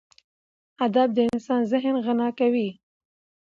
ادب د انسان ذهن غنا کوي.